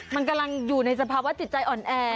มันกำลังอยู่ในสภาวะจิตใจอ่อนแอ